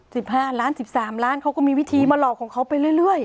สิบห้าล้านสิบสามล้านเขาก็มีวิธีมาหลอกของเขาไปเรื่อยเรื่อย